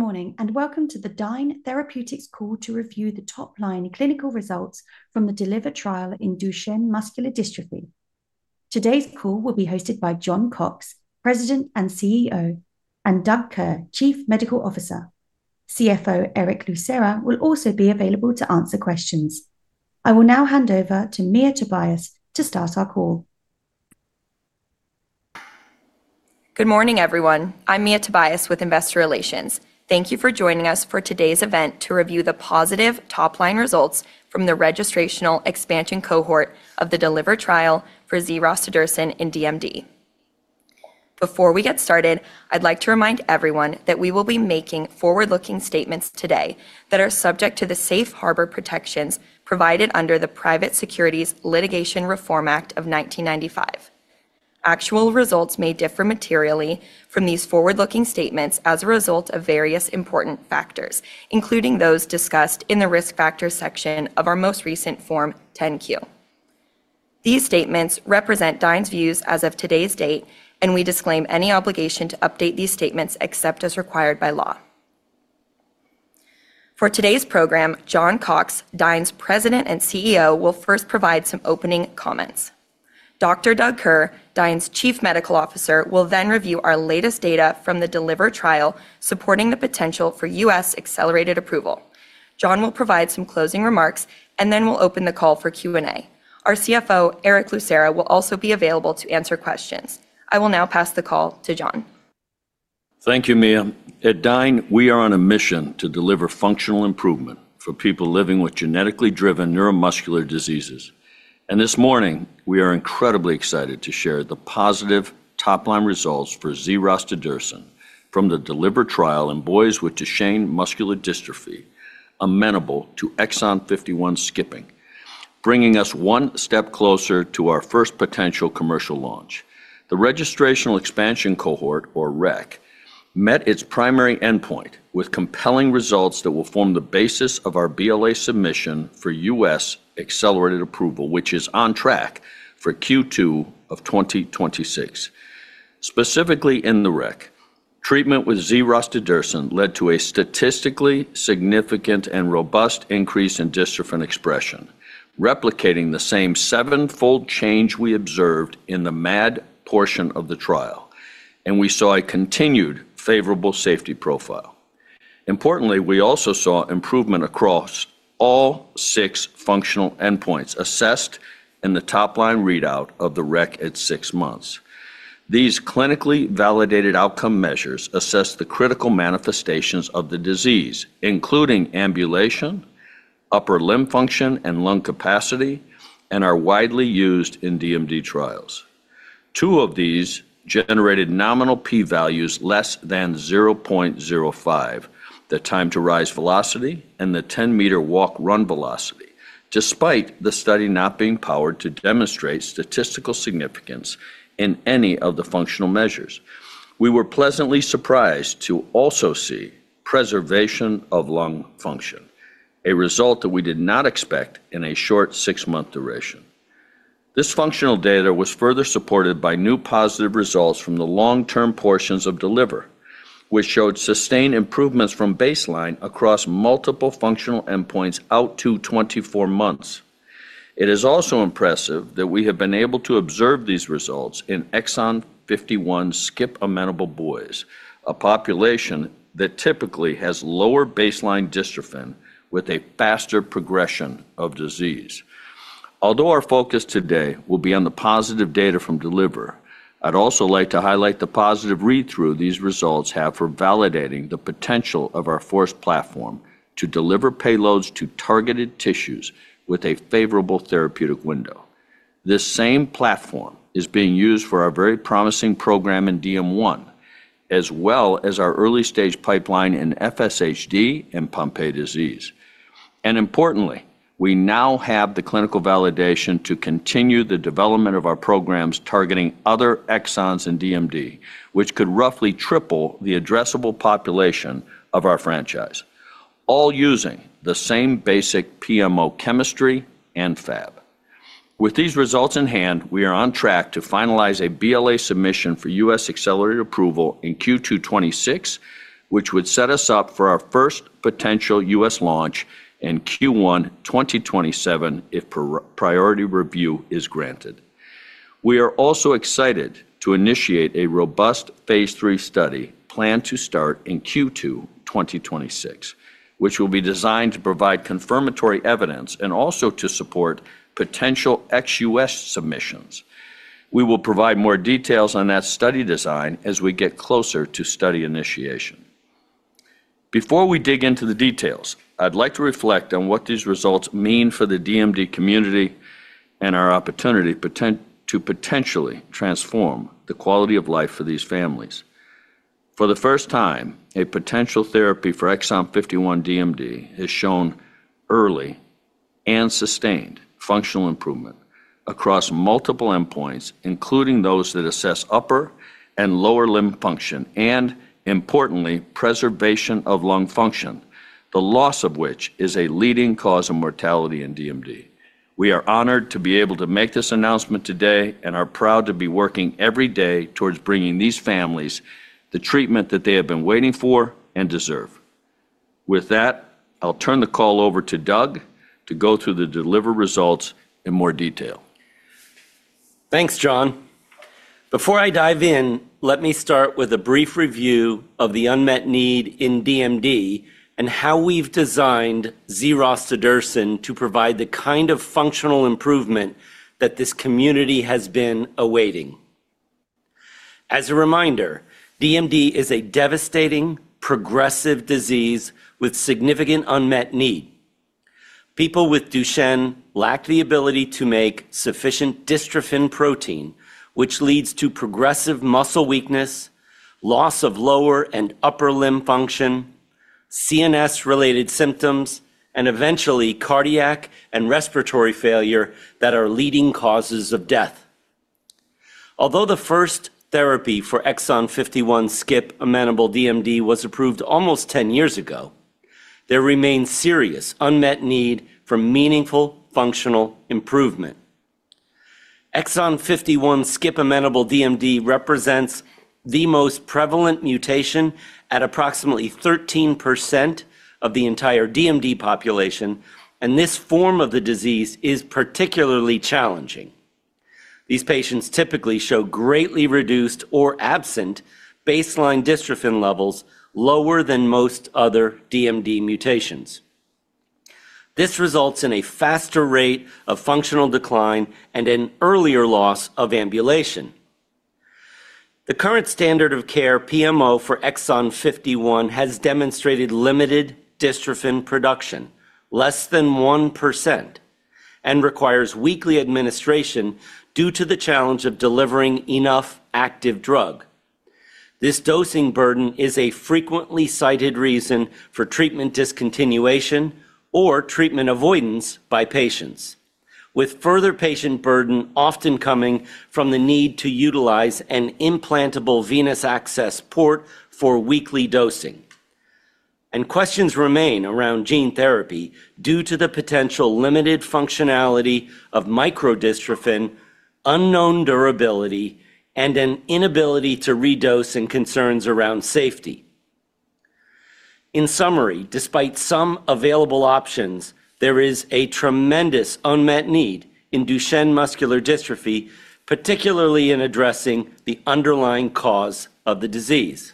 Good morning, and welcome to the Dyne Therapeutics call to review the top-line clinical results from the DELIVER trial in Duchenne muscular dystrophy. Today's call will be hosted by John Cox, President and CEO, and Doug Kerr, Chief Medical Officer. CFO Erick Lucera will also be available to answer questions. I will now hand over to Mia Tobias to start our call. Good morning, everyone. I'm Mia Tobias with Investor Relations. Thank you for joining us for today's event to review the positive top-line results from the registrational expansion cohort of the DELIVER trial for z-rostudirsen in DMD. Before we get started, I'd like to remind everyone that we will be making forward-looking statements today that are subject to the safe harbor protections provided under the Private Securities Litigation Reform Act of 1995. Actual results may differ materially from these forward-looking statements as a result of various important factors, including those discussed in the risk factor section of our most recent Form 10-Q. These statements represent Dyne's views as of today's date, and we disclaim any obligation to update these statements except as required by law. For today's program, John Cox, Dyne's President and CEO, will first provide some opening comments. Dr. Doug Kerr, Dyne's Chief Medical Officer, will then review our latest data from the DELIVER trial supporting the potential for U.S. accelerated approval. John will provide some closing remarks, and then we'll open the call for Q&A. Our CFO, Erick Lucera, will also be available to answer questions. I will now pass the call to John. Thank you, Mia. At Dyne, we are on a mission to deliver functional improvement for people living with genetically driven neuromuscular diseases. This morning, we are incredibly excited to share the positive top-line results for z-rostudirsen from the DELIVER trial in boys with Duchenne muscular dystrophy, amenable to exon 51 skipping, bringing us one step closer to our first potential commercial launch. The registrational expansion cohort, or REC, met its primary endpoint with compelling results that will form the basis of our BLA submission for U.S. accelerated approval, which is on track for Q2 of 2026. Specifically in the REC, treatment with z-rostudirsen led to a statistically significant and robust increase in dystrophin expression, replicating the same sevenfold change we observed in the MAD portion of the trial, and we saw a continued favorable safety profile. Importantly, we also saw improvement across all six functional endpoints assessed in the top-line readout of the REC at six months. These clinically validated outcome measures assess the critical manifestations of the disease, including ambulation, upper limb function, and lung capacity, and are widely used in DMD trials. Two of these generated nominal p-values less than 0.05, the time-to-rise velocity and the 10-meter walk/run velocity, despite the study not being powered to demonstrate statistical significance in any of the functional measures. We were pleasantly surprised to also see preservation of lung function, a result that we did not expect in a short six-month duration. This functional data was further supported by new positive results from the long-term portions of DELIVER, which showed sustained improvements from baseline across multiple functional endpoints out to 24 months. It is also impressive that we have been able to observe these results in exon 51 skip-amenable boys, a population that typically has lower baseline dystrophin with a faster progression of disease. Although our focus today will be on the positive data from DELIVER, I'd also like to highlight the positive read-through these results have for validating the potential of our FORCE platform to deliver payloads to targeted tissues with a favorable therapeutic window. This same platform is being used for our very promising program in DM1, as well as our early-stage pipeline in FSHD and Pompe disease. And importantly, we now have the clinical validation to continue the development of our programs targeting other exons in DMD, which could roughly triple the addressable population of our franchise, all using the same basic PMO chemistry and Fab. With these results in hand, we are on track to finalize a BLA submission for U.S. accelerated approval in Q2 2026, which would set us up for our first potential U.S. launch in Q1 2027 if priority review is granted. We are also excited to initiate a Phase 3 study planned to start in Q2 2026, which will be designed to provide confirmatory evidence and also to support potential ex-U.S. submissions. We will provide more details on that study design as we get closer to study initiation. Before we dig into the details, I'd like to reflect on what these results mean for the DMD community and our opportunity to potentially transform the quality of life for these families. For the first time, a potential therapy for exon 51 DMD has shown early and sustained functional improvement across multiple endpoints, including those that assess upper and lower limb function and, importantly, preservation of lung function, the loss of which is a leading cause of mortality in DMD. We are honored to be able to make this announcement today and are proud to be working every day towards bringing these families the treatment that they have been waiting for and deserve. With that, I'll turn the call over to Doug to go through the DELIVER results in more detail. Thanks, John. Before I dive in, let me start with a brief review of the unmet need in DMD and how we've designed z-rostudirsen to provide the kind of functional improvement that this community has been awaiting. As a reminder, DMD is a devastating, progressive disease with significant unmet need. People with Duchenne lack the ability to make sufficient dystrophin protein, which leads to progressive muscle weakness, loss of lower and upper limb function, CNS-related symptoms, and eventually cardiac and respiratory failure that are leading causes of death. Although the first therapy for exon 51 skipping-amenable DMD was approved almost 10 years ago, there remains serious unmet need for meaningful functional improvement. exon 51 skipping-amenable DMD represents the most prevalent mutation at approximately 13% of the entire DMD population, and this form of the disease is particularly challenging. These patients typically show greatly reduced or absent baseline dystrophin levels lower than most other DMD mutations. This results in a faster rate of functional decline and an earlier loss of ambulation. The current standard of care PMO for exon 51 has demonstrated limited dystrophin production, less than 1%, and requires weekly administration due to the challenge of delivering enough active drug. This dosing burden is a frequently cited reason for treatment discontinuation or treatment avoidance by patients, with further patient burden often coming from the need to utilize an implantable venous access port for weekly dosing, and questions remain around gene therapy due to the potential limited functionality of microdystrophin, unknown durability, and an inability to redose and concerns around safety. In summary, despite some available options, there is a tremendous unmet need in Duchenne muscular dystrophy, particularly in addressing the underlying cause of the disease.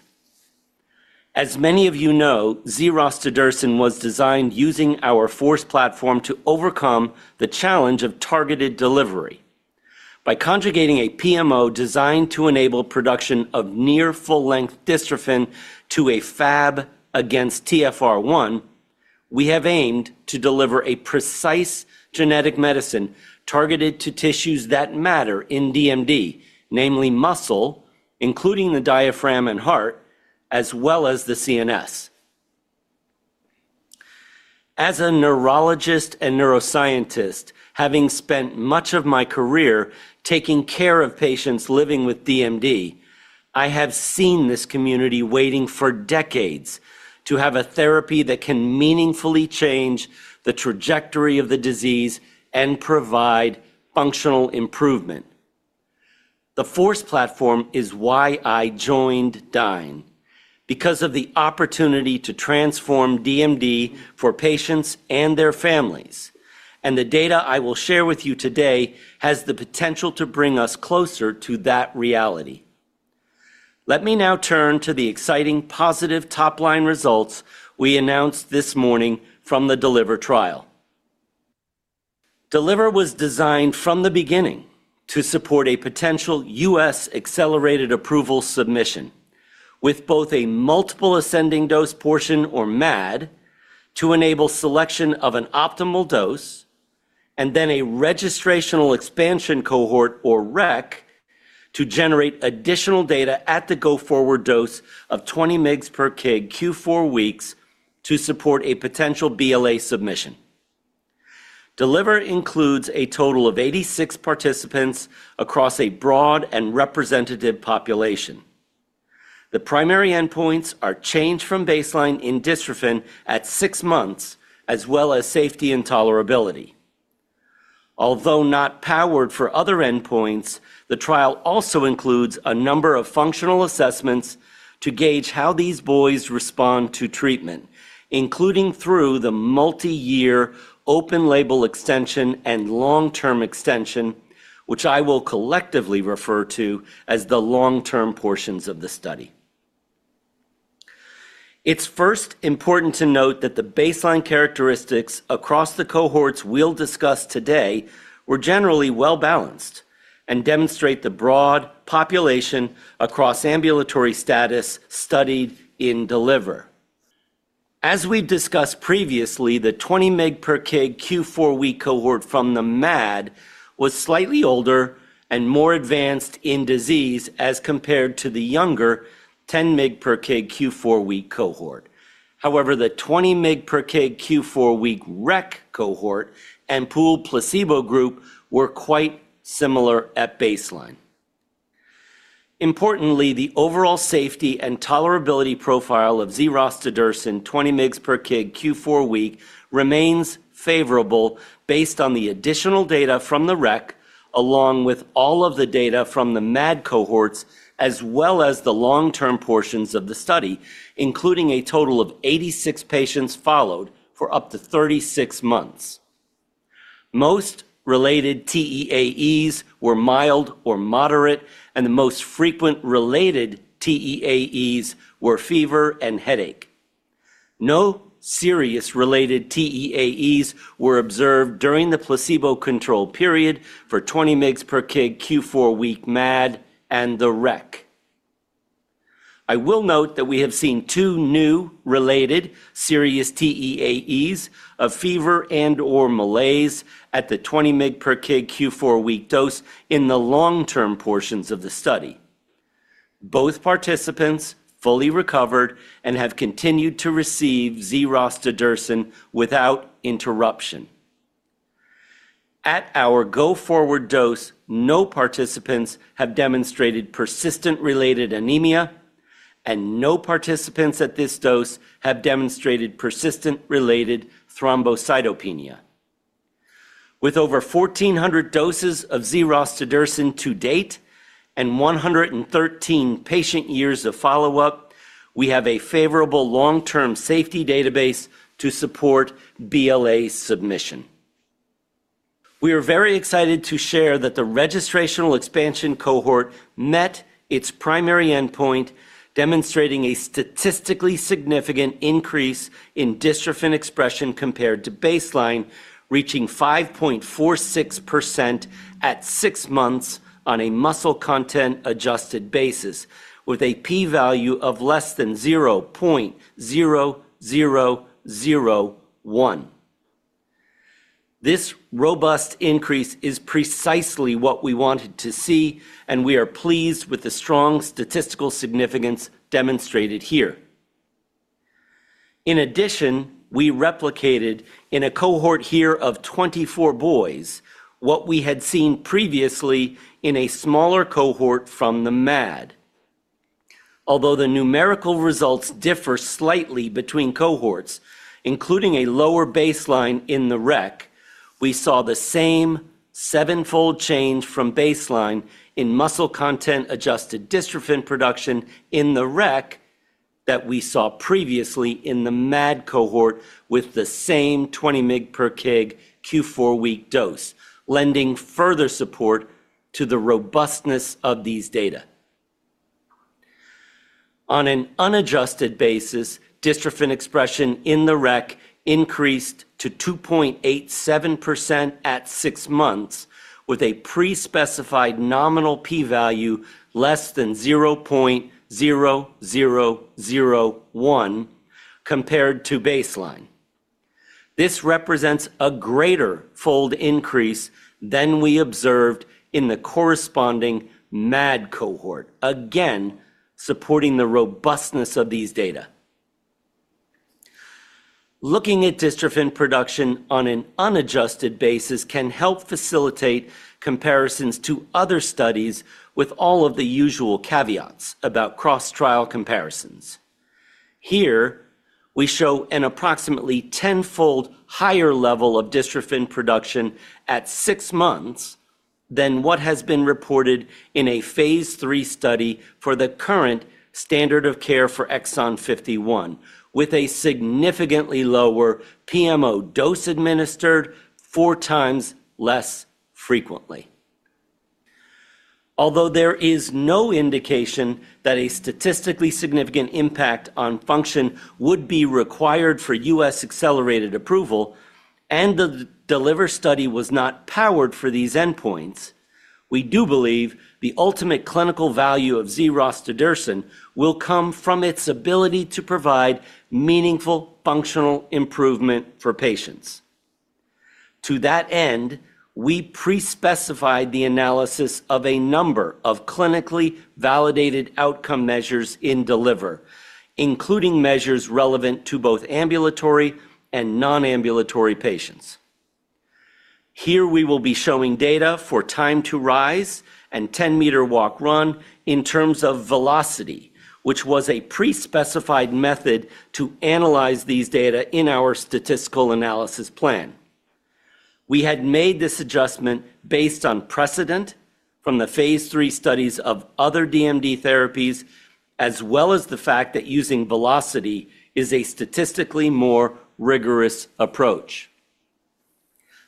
As many of you know, z-rostudirsen was designed using our FORCE platform to overcome the challenge of targeted delivery. By conjugating a PMO designed to enable production of near full-length dystrophin to a Fab against TFR1, we have aimed to deliver a precise genetic medicine targeted to tissues that matter in DMD, namely muscle, including the diaphragm and heart, as well as the CNS. As a neurologist and neuroscientist, having spent much of my career taking care of patients living with DMD, I have seen this community waiting for decades to have a therapy that can meaningfully change the trajectory of the disease and provide functional improvement. The FORCE platform is why I joined Dyne, because of the opportunity to transform DMD for patients and their families, and the data I will share with you today has the potential to bring us closer to that reality. Let me now turn to the exciting positive top-line results we announced this morning from the DELIVER trial. DELIVER was designed from the beginning to support a potential U.S. accelerated approval submission, with both a multiple ascending dose portion, or MAD, to enable selection of an optimal dose, and then a registrational expansion cohort, or REC, to generate additional data at the go-forward dose of 20 mg/kg, Q4 weeks, to support a potential BLA submission. DELIVER includes a total of 86 participants across a broad and representative population. The primary endpoints are change from baseline in dystrophin at six months, as well as safety and tolerability. Although not powered for other endpoints, the trial also includes a number of functional assessments to gauge how these boys respond to treatment, including through the multi-year open-label extension and long-term extension, which I will collectively refer to as the long-term portions of the study. It's first important to note that the baseline characteristics across the cohorts we'll discuss today were generally well-balanced and demonstrate the broad population across ambulatory status studied in DELIVER. As we've discussed previously, the 20 mg/kg Q4 week cohort from the MAD was slightly older and more advanced in disease as compared to the younger 10 mg/kg Q4 week cohort. However, the 20 mg/kg Q4 week REC cohort and pooled placebo group were quite similar at baseline. Importantly, the overall safety and tolerability profile of z-rostudirsen, 20 mg/kg Q4 week, remains favorable based on the additional data from the REC, along with all of the data from the MAD cohorts, as well as the long-term portions of the study, including a total of 86 patients followed for up to 36 months. Most related TEAEs were mild or moderate, and the most frequent related TEAEs were fever and headache. No serious related TEAEs were observed during the placebo control period for 20 mg/kg Q4 week MAD and the REC. I will note that we have seen two new related serious TEAEs of fever and/or malaise at the 20 mg/kg Q4 week dose in the long-term portions of the study. Both participants fully recovered and have continued to receive z-rostudirsen without interruption. At our go-forward dose, no participants have demonstrated persistent related anemia, and no participants at this dose have demonstrated persistent related thrombocytopenia. With over 1,400 doses of z-rostudirsen to date and 113 patient years of follow-up, we have a favorable long-term safety database to support BLA submission. We are very excited to share that the registrational expansion cohort met its primary endpoint, demonstrating a statistically significant increase in dystrophin expression compared to baseline, reaching 5.46% at six months on a muscle content-adjusted basis, with a p-value of less than 0.0001. This robust increase is precisely what we wanted to see, and we are pleased with the strong statistical significance demonstrated here. In addition, we replicated in a cohort here of 24 boys what we had seen previously in a smaller cohort from the MAD. Although the numerical results differ slightly between cohorts, including a lower baseline in the REC, we saw the same sevenfold change from baseline in muscle content-adjusted dystrophin production in the REC that we saw previously in the MAD cohort with the same 20 mg/kg Q4 week dose, lending further support to the robustness of these data. On an unadjusted basis, dystrophin expression in the REC increased to 2.87% at six months, with a pre-specified nominal p-value less than 0.0001 compared to baseline. This represents a greater fold increase than we observed in the corresponding MAD cohort, again supporting the robustness of these data. Looking at dystrophin production on an unadjusted basis can help facilitate comparisons to other studies with all of the usual caveats about cross-trial comparisons. Here, we show an approximately tenfold higher level of dystrophin production at six months than what has been reported in Phase 3 study for the current standard of care for exon 51, with a significantly lower PMO dose administered, four times less frequently. Although there is no indication that a statistically significant impact on function would be required for U.S. accelerated approval, and the DELIVER study was not powered for these endpoints, we do believe the ultimate clinical value of z-rostudirsen will come from its ability to provide meaningful functional improvement for patients. To that end, we pre-specified the analysis of a number of clinically validated outcome measures in DELIVER, including measures relevant to both ambulatory and non-ambulatory patients. Here, we will be showing data for time to rise and 10-meter walk/run in terms of velocity, which was a pre-specified method to analyze these data in our statistical analysis plan. We had made this adjustment based on precedent from the Phase 3 studies of other DMD therapies, as well as the fact that using velocity is a statistically more rigorous approach.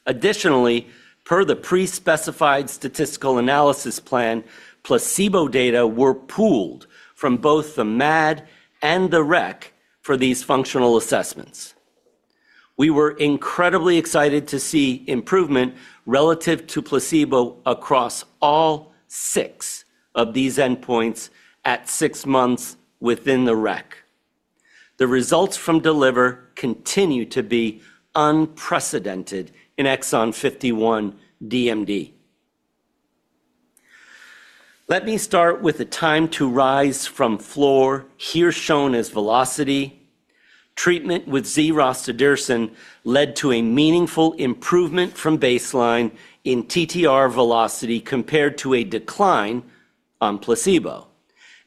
Additionally, per the pre-specified statistical analysis plan, placebo data were pooled from both the MAD and the REC for these functional assessments. We were incredibly excited to see improvement relative to placebo across all six of these endpoints at six months within the REC. The results from DELIVER continue to be unprecedented in exon 51 DMD. Let me start with the time to rise from floor, here shown as velocity. Treatment with z-rostudirsen led to a meaningful improvement from baseline in TTR velocity compared to a decline on placebo,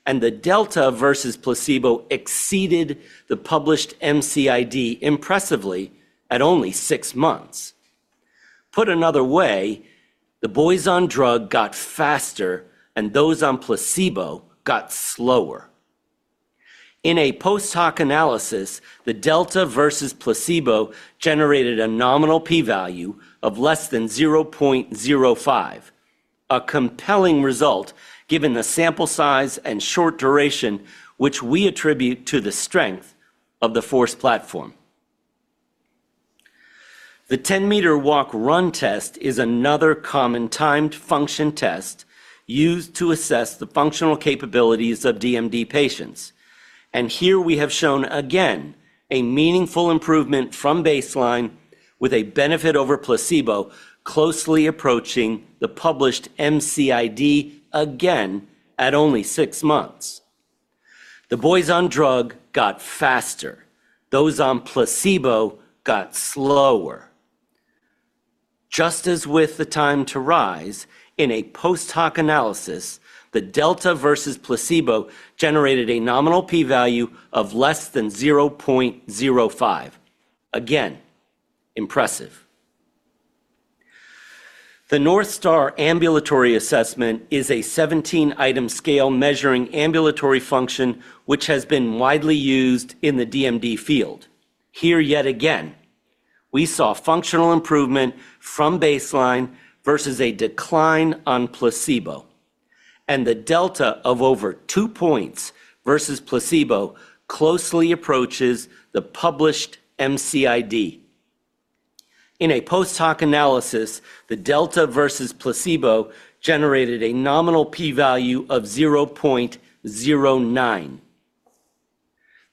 and the delta versus placebo exceeded the published MCID impressively at only six months. Put another way, the boys on drug got faster, and those on placebo got slower. In a post hoc analysis, the delta versus placebo generated a nominal p-value of less than 0.05, a compelling result given the sample size and short duration, which we attribute to the strength of the FORCE platform. The 10-meter walk/run test is another common timed function test used to assess the functional capabilities of DMD patients, and here we have shown again a meaningful improvement from baseline, with a benefit over placebo closely approaching the published MCID again at only six months. The boys on drug got faster. Those on placebo got slower. Just as with the time to rise, in a post hoc analysis, the delta versus placebo generated a nominal p-value of less than 0.05. Again, impressive. The North Star Ambulatory Assessment is a 17-item scale measuring ambulatory function, which has been widely used in the DMD field. Here, yet again, we saw functional improvement from baseline versus a decline on placebo, and the delta of over two points versus placebo closely approaches the published MCID. In a post hoc analysis, the delta versus placebo generated a nominal p-value of 0.09.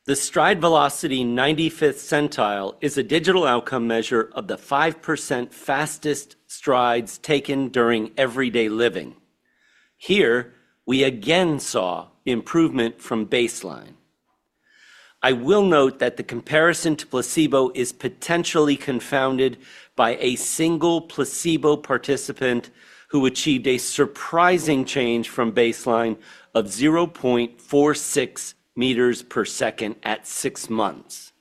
The stride velocity 95th centile is a digital outcome measure of the 5% fastest strides taken during everyday living. Here, we again saw improvement from baseline. I will note that the comparison to placebo is potentially confounded by a single placebo participant who achieved a surprising change from baseline of 0.46 m/s at six months.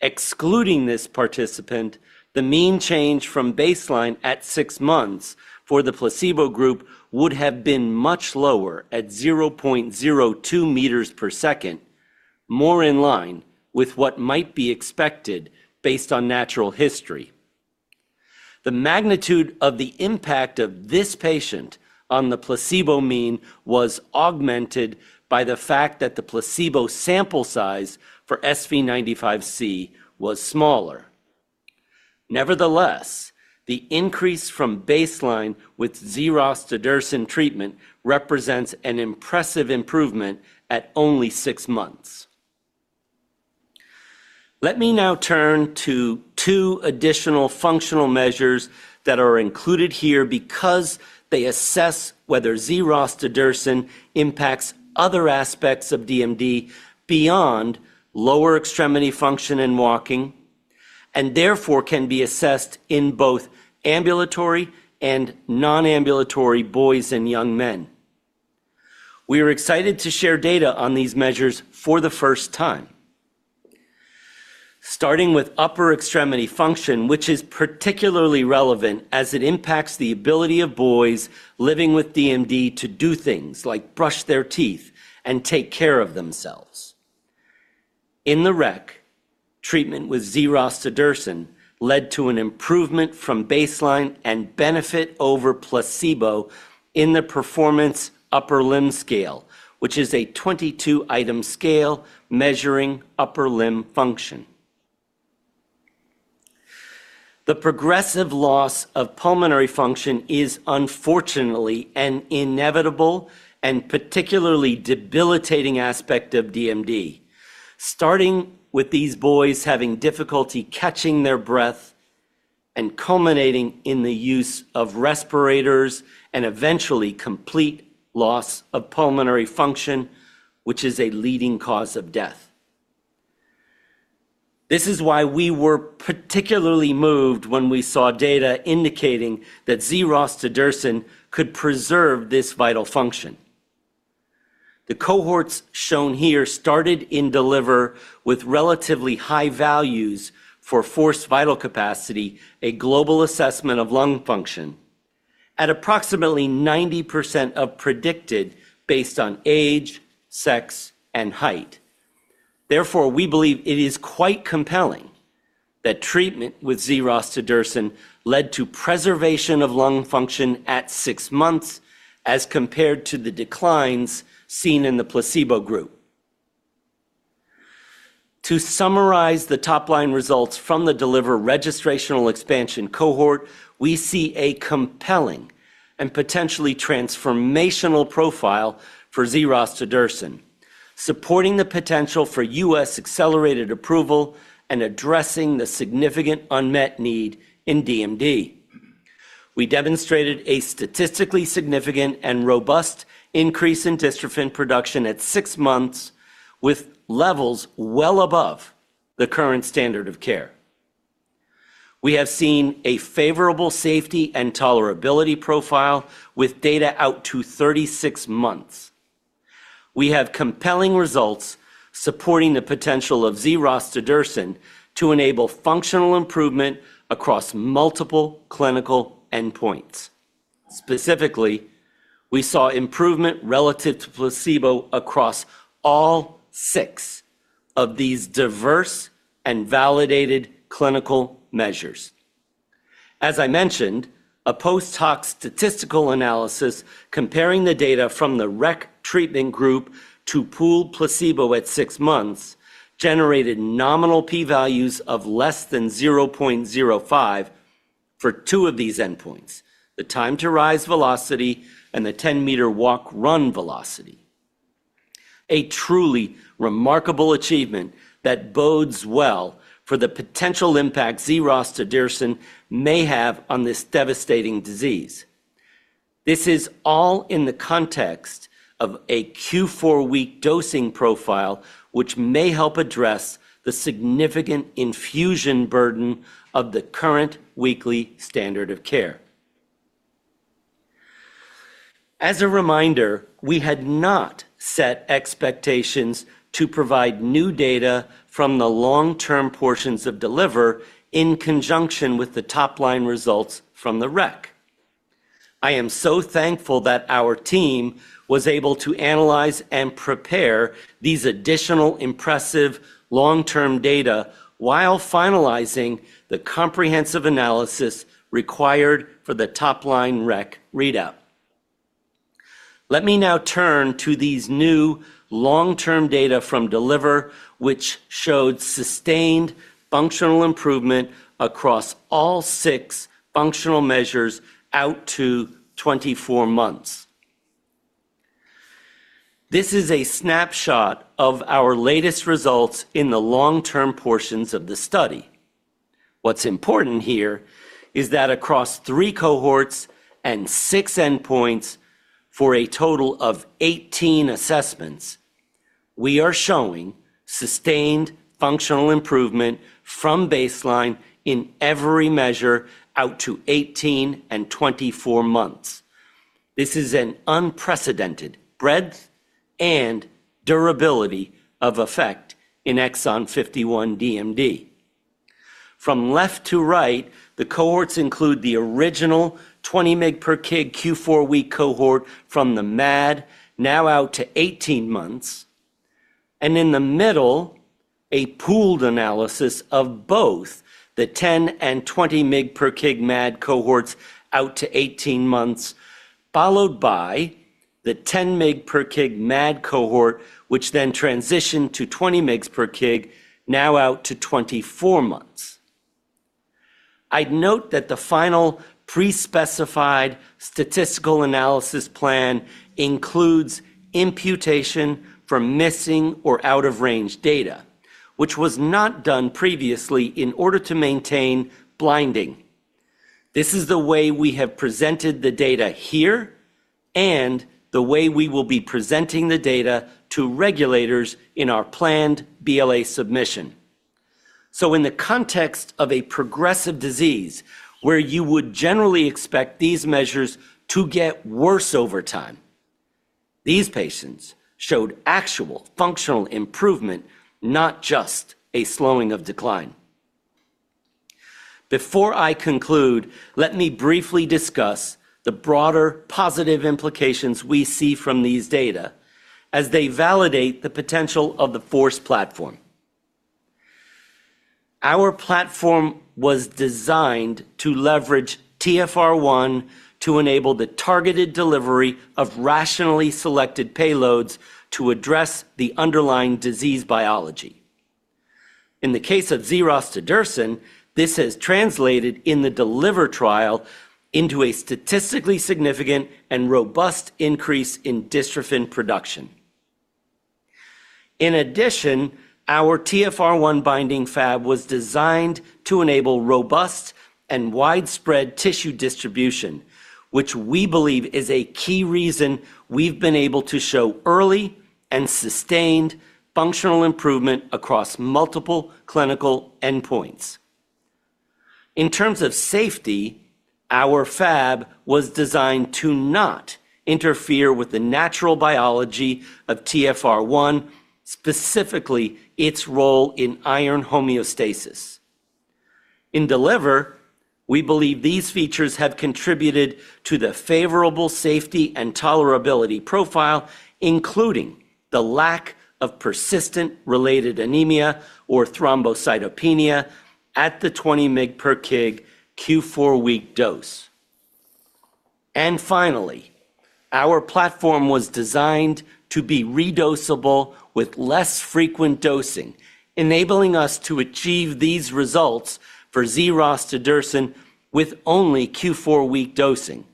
Excluding this participant, the mean change from baseline at six months for the placebo group would have been much lower at 0.02 m/s, more in line with what might be expected based on natural history. The magnitude of the impact of this patient on the placebo mean was augmented by the fact that the placebo sample size for SV95C was smaller. Nevertheless, the increase from baseline with z-rostudirsen treatment represents an impressive improvement at only six months. Let me now turn to two additional functional measures that are included here because they assess whether z-rostudirsen impacts other aspects of DMD beyond lower extremity function and walking, and therefore can be assessed in both ambulatory and non-ambulatory boys and young men. We are excited to share data on these measures for the first time, starting with upper extremity function, which is particularly relevant as it impacts the ability of boys living with DMD to do things like brush their teeth and take care of themselves. In the REC, treatment with z-rostudirsen led to an improvement from baseline and benefit over placebo in the Performance Upper Limb scale, which is a 22-item scale measuring upper limb function. The progressive loss of pulmonary function is unfortunately an inevitable and particularly debilitating aspect of DMD, starting with these boys having difficulty catching their breath and culminating in the use of respirators and eventually complete loss of pulmonary function, which is a leading cause of death. This is why we were particularly moved when we saw data indicating that z-rostudirsen could preserve this vital function. The cohorts shown here started in DELIVER with relatively high values for forced vital capacity, a global assessment of lung function, at approximately 90% of predicted based on age, sex, and height. Therefore, we believe it is quite compelling that treatment with z-rostudirsen led to preservation of lung function at six months as compared to the declines seen in the placebo group. To summarize the top-line results from the DELIVER registrational expansion cohort, we see a compelling and potentially transformational profile for z-rostudirsen, supporting the potential for U.S. accelerated approval and addressing the significant unmet need in DMD. We demonstrated a statistically significant and robust increase in dystrophin production at six months, with levels well above the current standard of care. We have seen a favorable safety and tolerability profile with data out to 36 months. We have compelling results supporting the potential of z-rostudirsen to enable functional improvement across multiple clinical endpoints. Specifically, we saw improvement relative to placebo across all six of these diverse and validated clinical measures. As I mentioned, a post hoc statistical analysis comparing the data from the REC treatment group to pooled placebo at six months generated nominal p-values of less than 0.05 for two of these endpoints: the time to rise velocity and the 10-meter walk/run velocity. A truly remarkable achievement that bodes well for the potential impact z-rostudirsen may have on this devastating disease. This is all in the context of a Q4 week dosing profile, which may help address the significant infusion burden of the current weekly standard of care. As a reminder, we had not set expectations to provide new data from the long-term portions of DELIVER in conjunction with the top-line results from the REC. I am so thankful that our team was able to analyze and prepare these additional impressive long-term data while finalizing the comprehensive analysis required for the top-line REC readout. Let me now turn to these new long-term data from DELIVER, which showed sustained functional improvement across all six functional measures out to 24 months. This is a snapshot of our latest results in the long-term portions of the study. What's important here is that across three cohorts and six endpoints for a total of 18 assessments, we are showing sustained functional improvement from baseline in every measure out to 18 and 24 months. This is an unprecedented breadth and durability of effect in exon 51 DMD. From left to right, the cohorts include the original 20-mg/kg Q4 week cohort from the MAD, now out to 18 months, and in the middle, a pooled analysis of both the 10- and 20-mg/kg MAD cohorts out to 18 months, followed by the 10-mg/kg MAD cohort, which then transitioned to 20 mg/kg, now out to 24 months. I'd note that the final pre-specified statistical analysis plan includes imputation for missing or out-of-range data, which was not done previously in order to maintain blinding. This is the way we have presented the data here and the way we will be presenting the data to regulators in our planned BLA submission, so in the context of a progressive disease where you would generally expect these measures to get worse over time, these patients showed actual functional improvement, not just a slowing of decline. Before I conclude, let me briefly discuss the broader positive implications we see from these data as they validate the potential of the FORCE platform. Our platform was designed to leverage TfR1 to enable the targeted delivery of rationally selected payloads to address the underlying disease biology. In the case of z-rostudirsen, this has translated in the DELIVER trial into a statistically significant and robust increase in dystrophin production. In addition, our TfR1 binding Fab was designed to enable robust and widespread tissue distribution, which we believe is a key reason we've been able to show early and sustained functional improvement across multiple clinical endpoints. In terms of safety, our Fab was designed to not interfere with the natural biology of TfR1, specifically its role in iron homeostasis. In DELIVER, we believe these features have contributed to the favorable safety and tolerability profile, including the lack of persistent related anemia or thrombocytopenia at the 20 mg/kg Q4 week dose, and finally, our platform was designed to be re-dosable with less frequent dosing, enabling us to achieve these results for z-rostudirsen with only Q4 week dosing,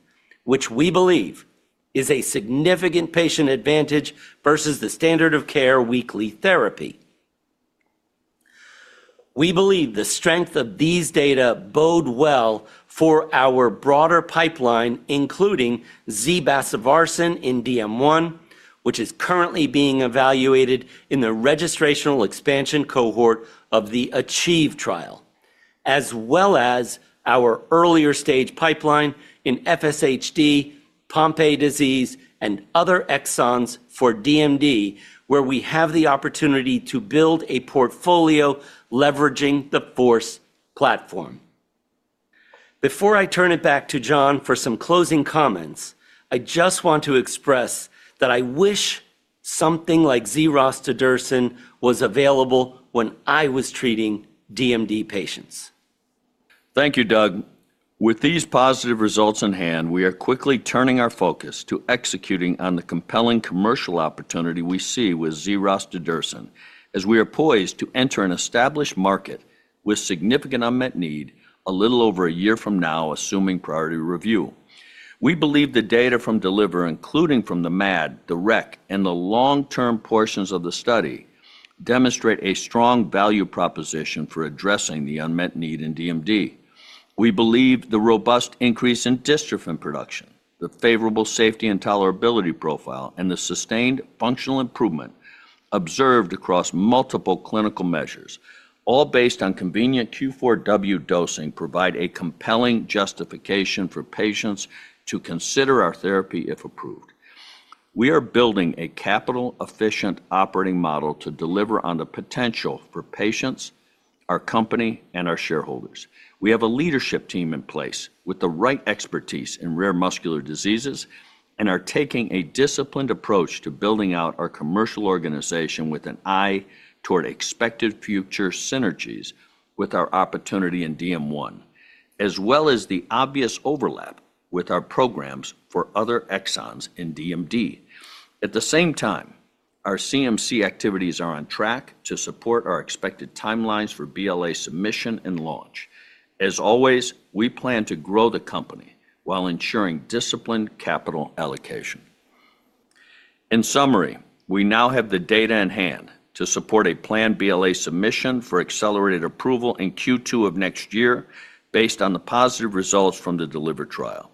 which we believe is a significant patient advantage versus the standard of care weekly therapy. We believe the strength of these data bode well for our broader pipeline, including z-basivarsen in DM1, which is currently being evaluated in the registrational expansion cohort of the ACHIEVE trial, as well as our earlier stage pipeline in FSHD, Pompe disease, and other exons for DMD, where we have the opportunity to build a portfolio leveraging the FORCE platform. Before I turn it back to John for some closing comments, I just want to express that I wish something like z-rostudirsen was available when I was treating DMD patients. Thank you, Doug. With these positive results in hand, we are quickly turning our focus to executing on the compelling commercial opportunity we see with z-rostudirsen as we are poised to enter an established market with significant unmet need a little over a year from now, assuming priority review. We believe the data from DELIVER, including from the MAD, the REC, and the long-term portions of the study, demonstrate a strong value proposition for addressing the unmet need in DMD. We believe the robust increase in dystrophin production, the favorable safety and tolerability profile, and the sustained functional improvement observed across multiple clinical measures, all based on convenient Q4W dosing, provide a compelling justification for patients to consider our therapy if approved. We are building a capital-efficient operating model to deliver on the potential for patients, our company, and our shareholders. We have a leadership team in place with the right expertise in rare muscular diseases and are taking a disciplined approach to building out our commercial organization with an eye toward expected future synergies with our opportunity in DM1, as well as the obvious overlap with our programs for other exons in DMD. At the same time, our CMC activities are on track to support our expected timelines for BLA submission and launch. As always, we plan to grow the company while ensuring disciplined capital allocation. In summary, we now have the data in hand to support a planned BLA submission for accelerated approval in Q2 of next year based on the positive results from the DELIVER trial.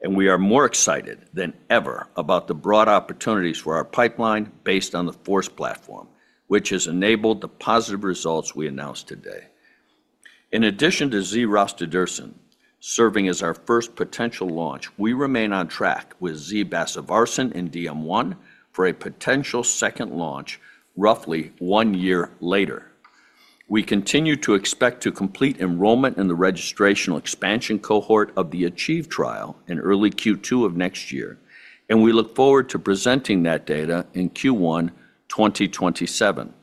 And we are more excited than ever about the broad opportunities for our pipeline based on the FORCE platform, which has enabled the positive results we announced today. In addition to z-rostudirsen serving as our first potential launch, we remain on track with z-basivarsen in DM1 for a potential second launch roughly one year later. We continue to expect to complete enrollment in the registrational expansion cohort of the ACHIEVE trial in early Q2 of next year, and we look forward to presenting that data in Q1 2027.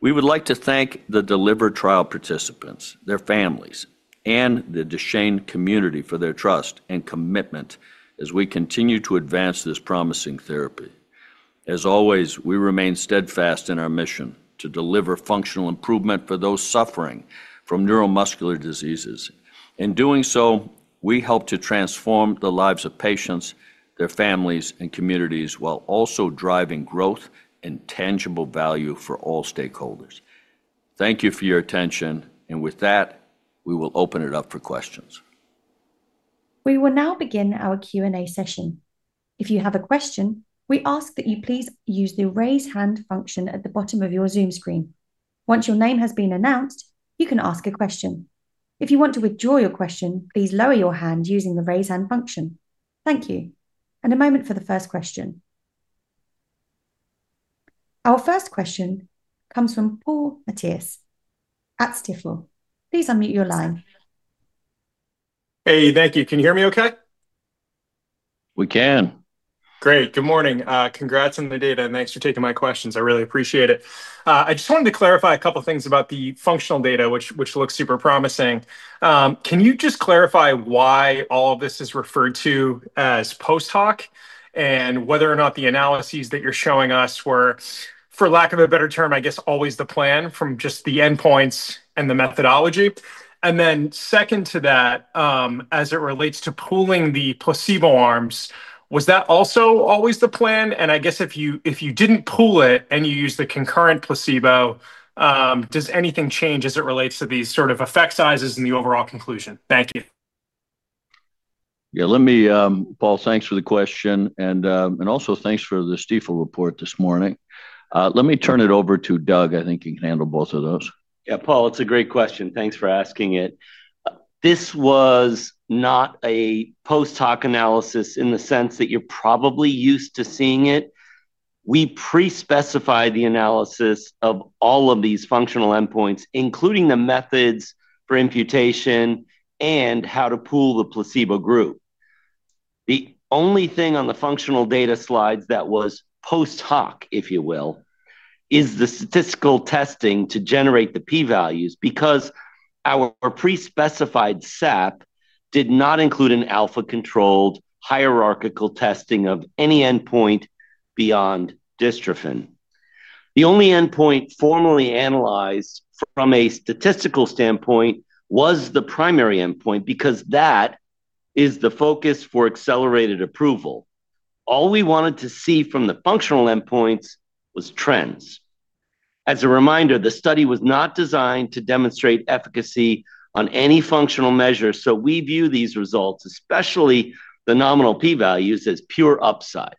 We would like to thank the DELIVER trial participants, their families, and the Duchenne community for their trust and commitment as we continue to advance this promising therapy. As always, we remain steadfast in our mission to deliver functional improvement for those suffering from neuromuscular diseases. In doing so, we help to transform the lives of patients, their families, and communities while also driving growth and tangible value for all stakeholders. Thank you for your attention. And with that, we will open it up for questions. We will now begin our Q&A session. If you have a question, we ask that you please use the raise hand function at the bottom of your Zoom screen. Once your name has been announced, you can ask a question. If you want to withdraw your question, please lower your hand using the raise hand function. Thank you. And a moment for the first question. Our first question comes from Paul Matteis at Stifel. Please unmute your line. Hey, thank you. Can you hear me okay? We can. Great. Good morning. Congrats on the data. Thanks for taking my questions. I really appreciate it. I just wanted to clarify a couple of things about the functional data, which looks super promising. Can you just clarify why all of this is referred to as post hoc and whether or not the analyses that you're showing us were, for lack of a better term, I guess, always the plan from just the endpoints and the methodology? And then second to that, as it relates to pooling the placebo arms, was that also always the plan? And I guess if you didn't pool it and you used the concurrent placebo, does anything change as it relates to these sort of effect sizes and the overall conclusion? Thank you. Yeah, let me, Paul, thanks for the question. And also thanks for the Stifel report this morning. Let me turn it over to Doug. I think he can handle both of those. Yeah, Paul, it's a great question. Thanks for asking it. This was not a post hoc analysis in the sense that you're probably used to seeing it. We pre-specified the analysis of all of these functional endpoints, including the methods for imputation and how to pool the placebo group. The only thing on the functional data slides that was post hoc, if you will, is the statistical testing to generate the p-values because our pre-specified SAP did not include an alpha-controlled hierarchical testing of any endpoint beyond dystrophin. The only endpoint formally analyzed from a statistical standpoint was the primary endpoint because that is the focus for accelerated approval. All we wanted to see from the functional endpoints was trends. As a reminder, the study was not designed to demonstrate efficacy on any functional measure, so we view these results, especially the nominal p-values, as pure upside.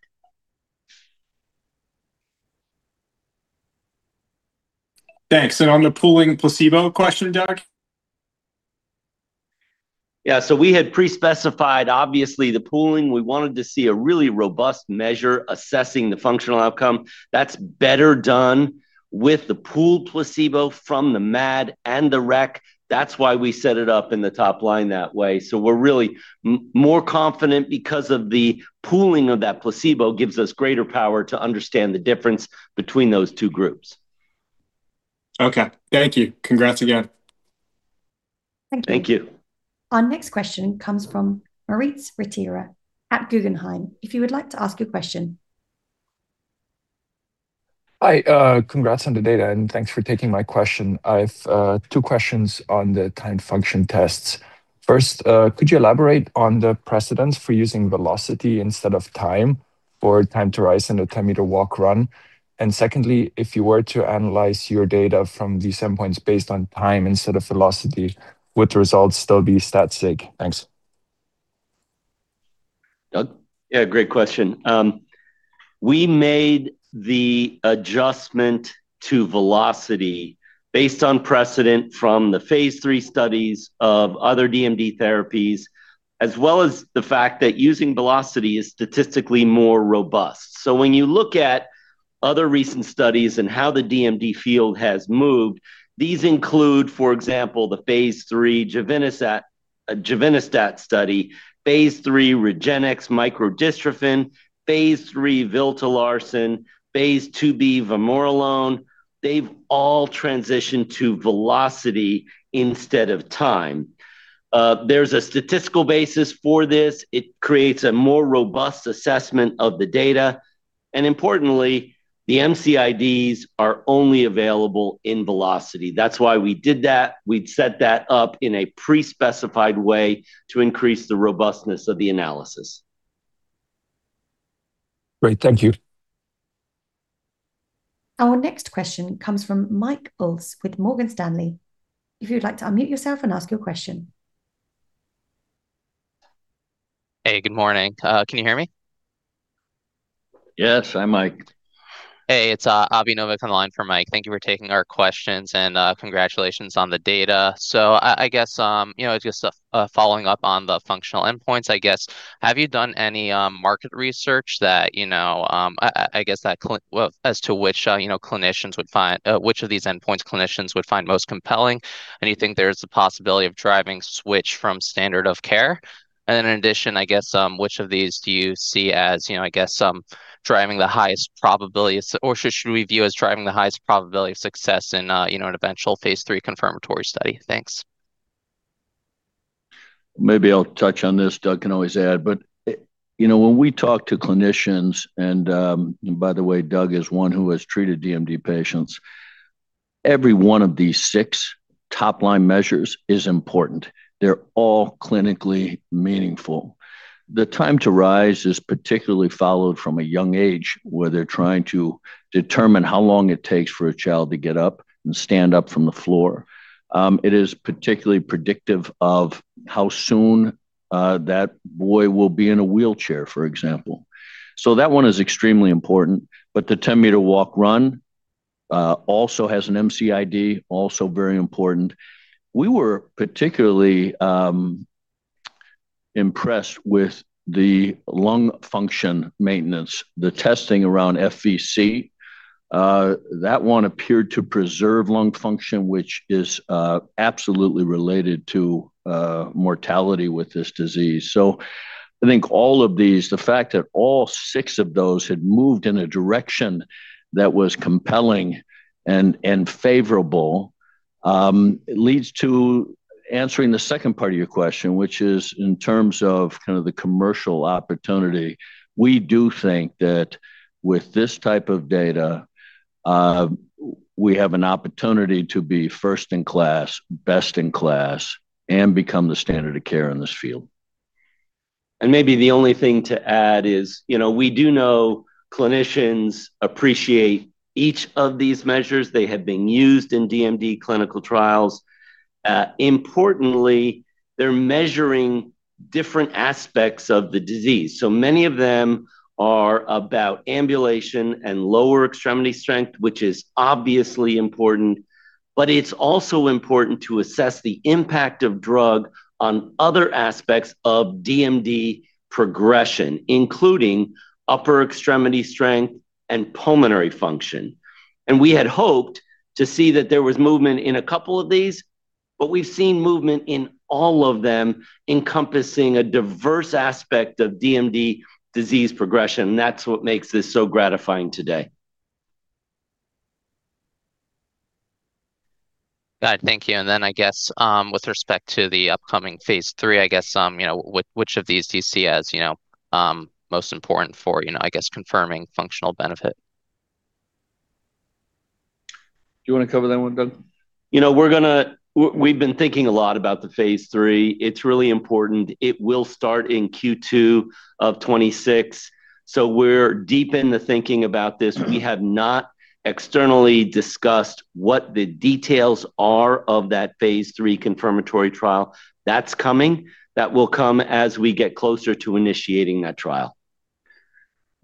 Thanks. And on the pooling placebo question, Doug? Yeah, so we had pre-specified, obviously, the pooling. We wanted to see a really robust measure assessing the functional outcome. That's better done with the pooled placebo from the MAD and the REC. That's why we set it up in the top line that way. So we're really more confident because the pooling of that placebo gives us greater power to understand the difference between those two groups. Okay. Thank you. Congrats again. Thank you. Thank you. Our next question comes from Moritz Rittstieg at Guggenheim Securities, if you would like to ask a question. Hi. Congrats on the data, and thanks for taking my question. I have two questions on the time function tests. First, could you elaborate on the precedent for using velocity instead of time for time to rise in a 10-meter walk/run? And secondly, if you were to analyze your data from these endpoints based on time instead of velocity, would the results still be stat sig? Thanks. Doug? Yeah, great question. We made the adjustment to velocity based on precedent from the Phase 3 studies of other DMD therapies, as well as the fact that using velocity is statistically more robust. So when you look at other recent studies and how the DMD field has moved, these include, for example, the Phase 3 givinostat study, Phase 3 Regenxbio microdystrophin, Phase 3 viltolarsen, phase 2b vamorolone. They have all transitioned to velocity instead of time. There is a statistical basis for this. It creates a more robust assessment of the data. Importantly, the MCIDs are only available in velocity. That's why we did that. We'd set that up in a pre-specified way to increase the robustness of the analysis. Great. Thank you. Our next question comes from Michael Ulz with Morgan Stanley. If you'd like to unmute yourself and ask your question. Hey, good morning. Can you hear me? Yes, I'm Mike. Hey, it's Avi Novick on the line for Mike. Thank you for taking our questions and congratulations on the data. So I guess just following up on the functional endpoints, I guess, have you done any market research that I guess as to which clinicians would find which of these endpoints most compelling? And you think there's a possibility of driving switch from standard of care? In addition, I guess, which of these do you see as, I guess, driving the highest probability, or should we view as driving the highest probability of success in an eventual Phase 3 confirmatory study? Thanks. Maybe I'll touch on this. Doug can always add. When we talk to clinicians, and by the way, Doug is one who has treated DMD patients, every one of these six top-line measures is important. They're all clinically meaningful. The time to rise is particularly followed from a young age where they're trying to determine how long it takes for a child to get up and stand up from the floor. It is particularly predictive of how soon that boy will be in a wheelchair, for example. That one is extremely important. The 10-meter walk/run also has an MCID, also very important. We were particularly impressed with the lung function maintenance, the testing around FVC. That one appeared to preserve lung function, which is absolutely related to mortality with this disease, so I think all of these, the fact that all six of those had moved in a direction that was compelling and favorable leads to answering the second part of your question, which is in terms of kind of the commercial opportunity. We do think that with this type of data, we have an opportunity to be first in class, best in class, and become the standard of care in this field, and maybe the only thing to add is we do know clinicians appreciate each of these measures. They have been used in DMD clinical trials. Importantly, they're measuring different aspects of the disease, so many of them are about ambulation and lower extremity strength, which is obviously important. But it's also important to assess the impact of drug on other aspects of DMD progression, including upper extremity strength and pulmonary function. And we had hoped to see that there was movement in a couple of these, but we've seen movement in all of them encompassing a diverse aspect of DMD disease progression. And that's what makes this so gratifying today. Thank you. And then I guess with respect to the upcoming Phase 3, I guess, which of these do you see as most important for, I guess, confirming functional benefit? Do you want to cover that one, Doug? We've been thinking a lot about the Phase 3. It's really important. It will start in Q2 of 2026. So we're deep in the thinking about this. We have not externally discussed what the details are of that Phase 3 confirmatory trial. That's coming. That will come as we get closer to initiating that trial.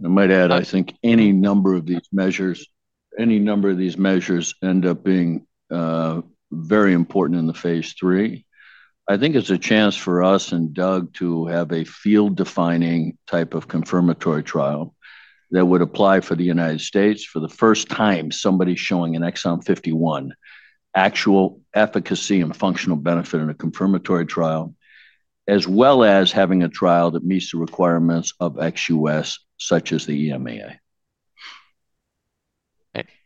I might add, I think any number of these measures, any number of these measures end up being very important in the Phase 3. I think it's a chance for us and Doug to have a field-defining type of confirmatory trial that would apply for the United States for the first time, somebody showing an exon 51 actual efficacy and functional benefit in a confirmatory trial, as well as having a trial that meets the requirements of ex-U.S., such as the EMA.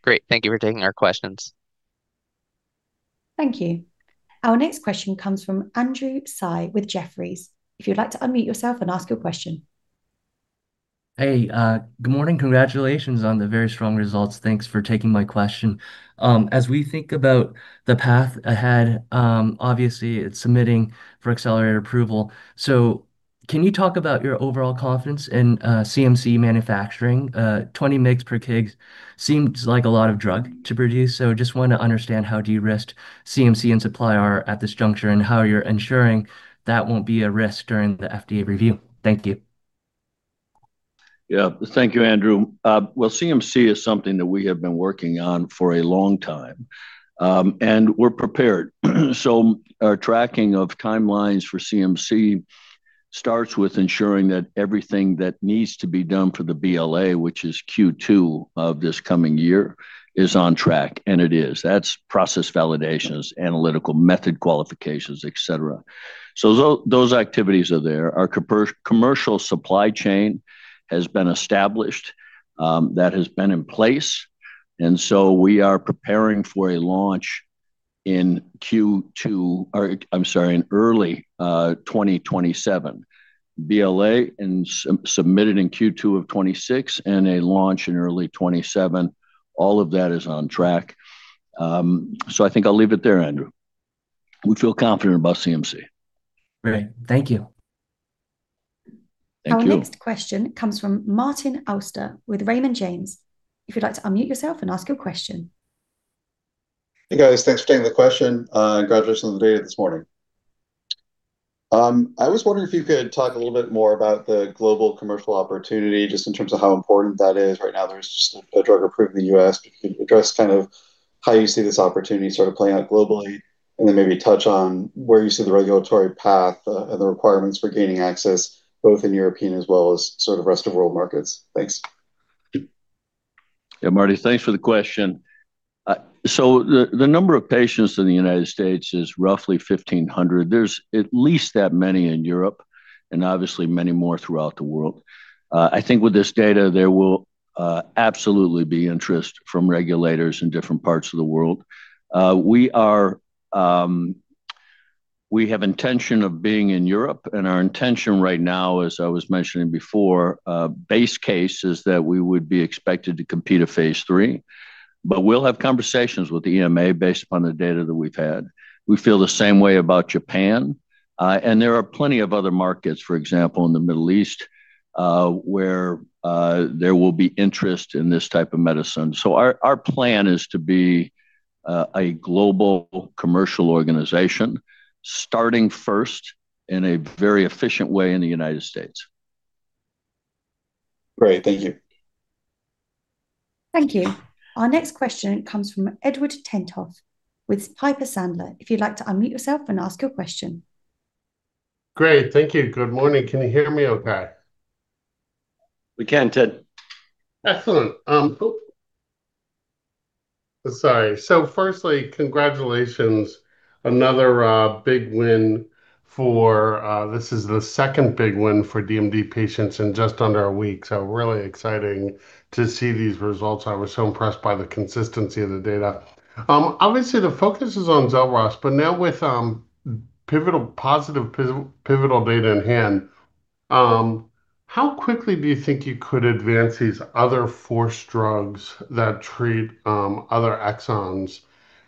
Great. Thank you for taking our questions. Thank you. Our next question comes from Andrew Tsai with Jefferies. If you'd like to unmute yourself and ask your question. Hey, good morning. Congratulations on the very strong results. Thanks for taking my question. As we think about the path ahead, obviously, it's submitting for accelerated approval. So can you talk about your overall confidence in CMC manufacturing? 20 mg/kg seems like a lot of drug to produce. So I just want to understand how de-risked CMC and supply are at this juncture and how you're ensuring that won't be a risk during the FDA review. Thank you. Yeah, thank you, Andrew. Well, CMC is something that we have been working on for a long time. And we're prepared. So our tracking of timelines for CMC starts with ensuring that everything that needs to be done for the BLA, which is Q2 of this coming year, is on track. And it is. That's process validations, analytical method qualifications, etc. So those activities are there. Our commercial supply chain has been established. That has been in place. And so we are preparing for a launch in Q2 or, I'm sorry, in early 2027. BLA submitted in Q2 of 2026 and a launch in early 2027. All of that is on track. So I think I'll leave it there, Andrew. We feel confident about CMC. Great. Thank you. Thank you. Our next question comes from Martin Auster with Raymond James. If you'd like to unmute yourself and ask your question. Hey, guys. Thanks for taking the question. Congratulations on the data this morning. I was wondering if you could talk a little bit more about the global commercial opportunity just in terms of how important that is. Right now, there's just a drug approval in the U.S. But if you could address kind of how you see this opportunity sort of playing out globally and then maybe touch on where you see the regulatory path and the requirements for gaining access both in European as well as sort of rest of world markets. Thanks. Yeah, Marty, thanks for the question. So the number of patients in the United States is roughly 1,500. There's at least that many in Europe and obviously many more throughout the world. I think with this data, there will absolutely be interest from regulators in different parts of the world. We have intention of being in Europe. And our intention right now, as I was mentioning before, base case is that we would be expected to complete a Phase 3. But we'll have conversations with the EMA based upon the data that we've had. We feel the same way about Japan. And there are plenty of other markets, for example, in the Middle East where there will be interest in this type of medicine. So our plan is to be a global commercial organization starting first in a very efficient way in the United States. Great. Thank you. Thank you. Our next question comes from Edward Tenthoff with Piper Sandler. If you'd like to unmute yourself and ask your question. Great. Thank you. Good morning. Can you hear me okay? We can, Ted. Excellent. Oops. Sorry. So firstly, congratulations. Another big win for this is the second big win for DMD patients in just under a week. So really exciting to see these results. I was so impressed by the consistency of the data. Obviously, the focus is on DYNE-251, but now with positive pivotal data in hand, how quickly do you think you could advance these other four drugs that treat other exons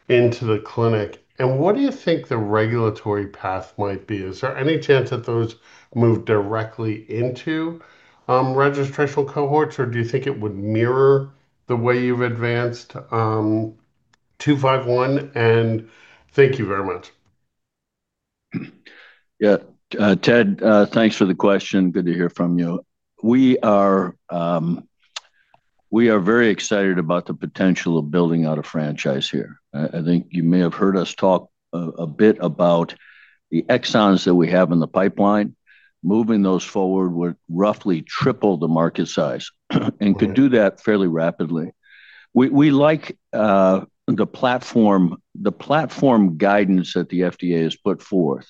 into the clinic? And what do you think the regulatory path might be? Is there any chance that those move directly into registration cohorts, or do you think it would mirror the way you've advanced 251? And thank you very much. Yeah. Ted, thanks for the question. Good to hear from you. We are very excited about the potential of building out a franchise here. I think you may have heard us talk a bit about the exons that we have in the pipeline. Moving those forward would roughly triple the market size and could do that fairly rapidly. We like the platform guidance that the FDA has put forth.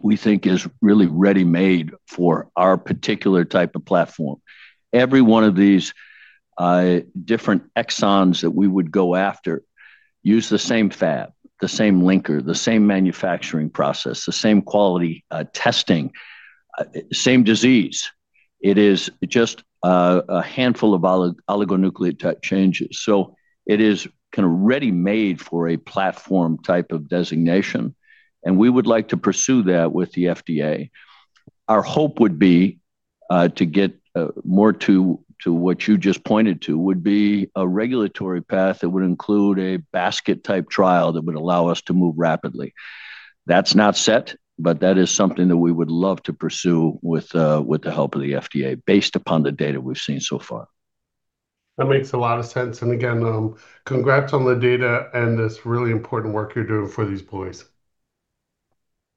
We think is really ready-made for our particular type of platform. Every one of these different exons that we would go after uses the same Fab, the same linker, the same manufacturing process, the same quality testing, same disease. It is just a handful of oligonucleotide changes. So it is kind of ready-made for a platform type of designation. And we would like to pursue that with the FDA. Our hope would be to get more to what you just pointed to would be a regulatory path that would include a basket-type trial that would allow us to move rapidly. That's not set, but that is something that we would love to pursue with the help of the FDA based upon the data we've seen so far. That makes a lot of sense. And again, congrats on the data and this really important work you're doing for these boys.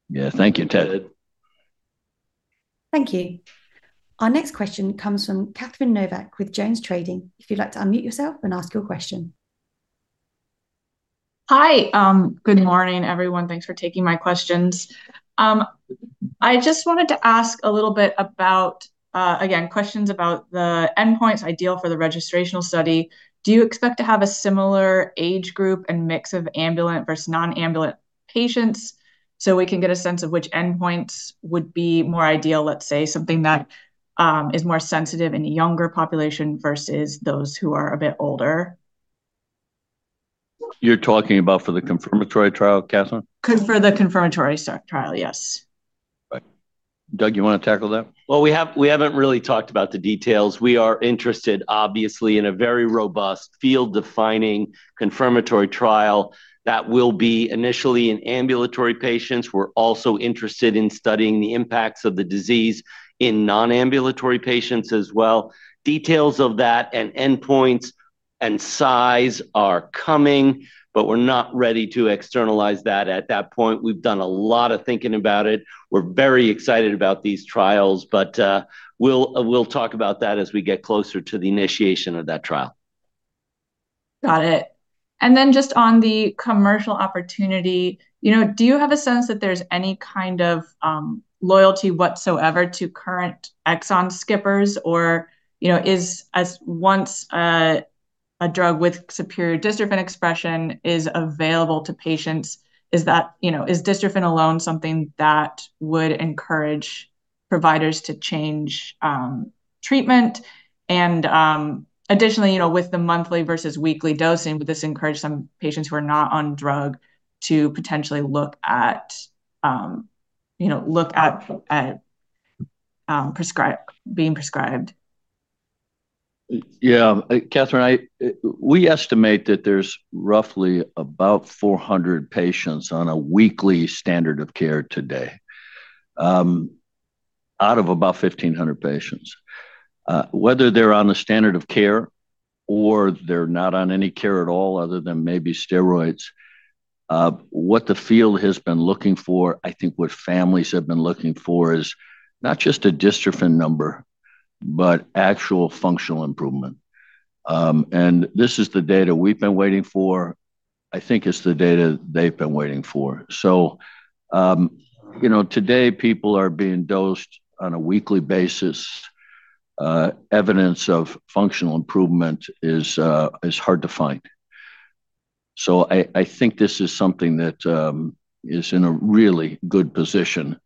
Yeah. Thank you, Ted. Thank you. Our next question comes from Catherine Novack with JonesTrading. If you'd like to unmute yourself and ask your question. Hi. Good morning, everyone. Thanks for taking my questions. I just wanted to ask a little bit about, again, questions about the endpoints, ideal for the registrational study. Do you expect to have a similar age group and mix of ambulant versus non-ambulant patients? So we can get a sense of which endpoints would be more ideal, let's say, something that is more sensitive in a younger population versus those who are a bit older. You're talking about for the confirmatory trial, Catherine? For the confirmatory trial, yes. Doug, you want to tackle that? Well, we haven't really talked about the details. We are interested, obviously, in a very robust field-defining confirmatory trial that will be initially in ambulatory patients. We're also interested in studying the impacts of the disease in non-ambulatory patients as well. Details of that and endpoints and size are coming, but we're not ready to externalize that at that point. We've done a lot of thinking about it. We're very excited about these trials, but we'll talk about that as we get closer to the initiation of that trial. Got it. And then just on the commercial opportunity, do you have a sense that there's any kind of loyalty whatsoever to current exon skippers? Or is, once a drug with superior dystrophin expression is available to patients, is dystrophin alone something that would encourage providers to change treatment? And additionally, with the monthly versus weekly dosing, would this encourage some patients who are not on drug to potentially look at being prescribed? Yeah. Catherine, we estimate that there's roughly about 400 patients on a weekly standard of care today out of about 1,500 patients. Whether they're on the standard of care or they're not on any care at all other than maybe steroids, what the field has been looking for, I think what families have been looking for is not just a dystrophin number, but actual functional improvement. And this is the data we've been waiting for. I think it's the data they've been waiting for. So today, people are being dosed on a weekly basis. Evidence of functional improvement is hard to find. So I think this is something that is in a really good position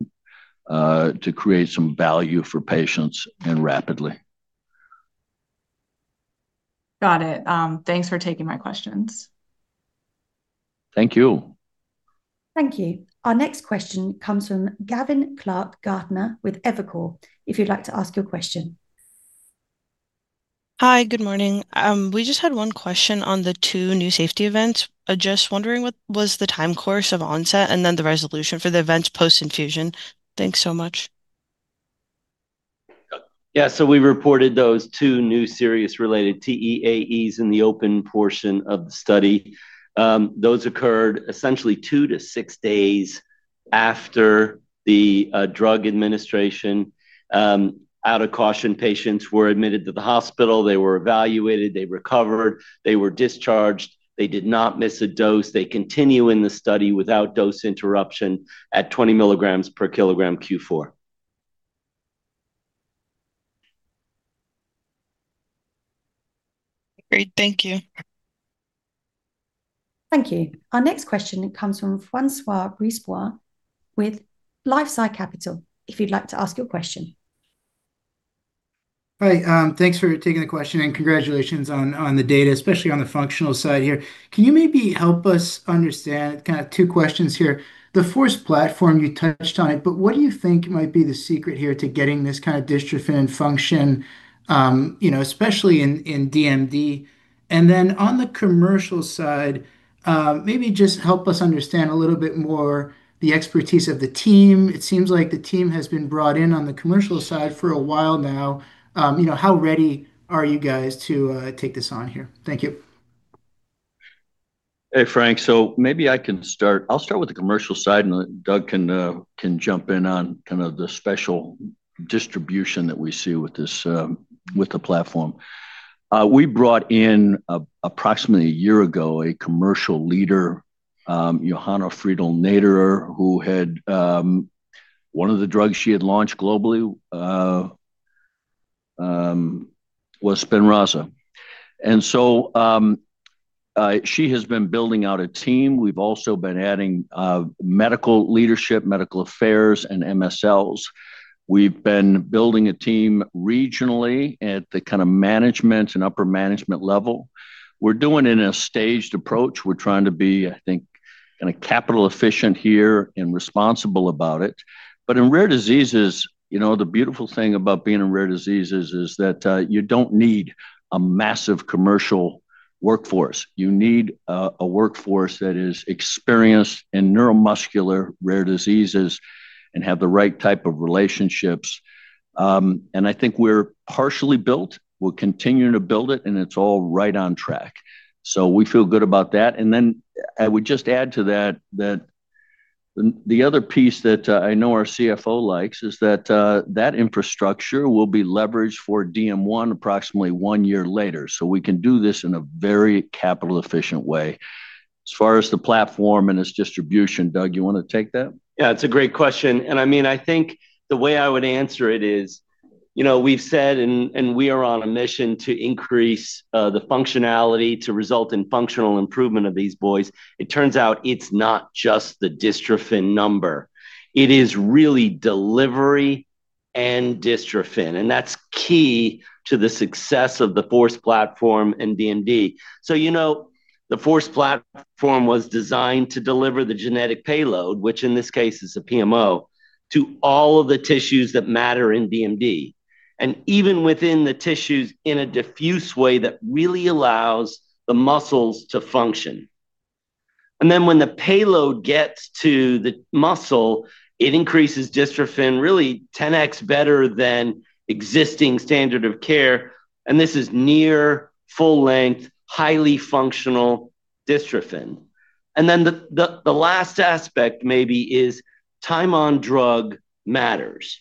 to create some value for patients and rapidly. Got it. Thanks for taking my questions. Thank you. Thank you. Our next question comes from Gavin Clark-Gartner with Evercore. If you'd like to ask your question. Hi. Good morning. We just had one question on the two new safety events. Just wondering what was the time course of onset and then the resolution for the events post-infusion. Thanks so much. Yeah. So we reported those two new serious-related TEAEs in the open portion of the study. Those occurred essentially two to six days after the drug administration. Out of caution, patients were admitted to the hospital. They were evaluated. They recovered. They were discharged. They did not miss a dose. They continue in the study without dose interruption at 20 mg/kg Q4. Great. Thank you. Thank you. Our next question comes from François Brisebois with LifeSci Capital. If you'd like to ask your question. Hi. Thanks for taking the question, and congratulations on the data, especially on the functional side here. Can you maybe help us understand kind of two questions here? The force platform, you touched on it, but what do you think might be the secret here to getting this kind of dystrophin function, especially in DMD? And then on the commercial side, maybe just help us understand a little bit more the expertise of the team. It seems like the team has been brought in on the commercial side for a while now. How ready are you guys to take this on here? Thank you. Hey, Frank. So maybe I can start. I'll start with the commercial side, and Doug can jump in on kind of the special distribution that we see with the platform. We brought in approximately a year ago a commercial leader, Johanna Friedl-Naderer, who had one of the drugs she had launched globally was Spinraza. And so she has been building out a team. We've also been adding medical leadership, medical affairs, and MSLs. We've been building a team regionally at the kind of management and upper management level. We're doing it in a staged approach. We're trying to be, I think, kind of capital-efficient here and responsible about it. But in rare diseases, the beautiful thing about being in rare diseases is that you don't need a massive commercial workforce. You need a workforce that is experienced in neuromuscular rare diseases and have the right type of relationships. And I think we're partially built. We're continuing to build it, and it's all right on track. So we feel good about that. And then I would just add to that that the other piece that I know our CFO likes is that that infrastructure will be leveraged for DM1 approximately one year later. So we can do this in a very capital-efficient way. As far as the platform and its distribution, Doug, you want to take that? Yeah. It's a great question. And I mean, I think the way I would answer it is we've said, and we are on a mission to increase the functionality to result in functional improvement of these boys. It turns out it's not just the dystrophin number. It is really delivery and dystrophin. That's key to the success of the FORCE platform in DMD. The FORCE platform was designed to deliver the genetic payload, which in this case is a PMO, to all of the tissues that matter in DMD, and even within the tissues in a diffuse way that really allows the muscles to function. When the payload gets to the muscle, it increases dystrophin really 10x better than existing standard of care. This is near full-length, highly functional dystrophin. The last aspect maybe is time on drug matters.